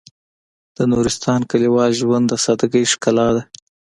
د نورستان کلیوال ژوند د سادهګۍ ښکلا ده.